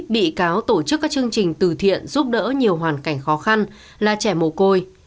bị cáo tổ chức các chương trình từ thiện giúp đỡ nhiều hoàn cảnh khó khăn là trẻ mồ côi